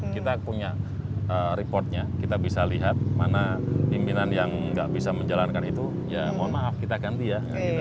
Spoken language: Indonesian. kita punya reportnya kita bisa lihat mana pimpinan yang nggak bisa menjalankan itu ya mohon maaf kita ganti ya